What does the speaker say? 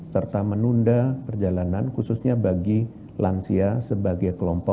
serta menunda perjalanan khususnya bagi lansia sebagai kelompok